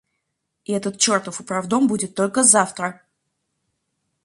И этот чертов управдом будет только завтра!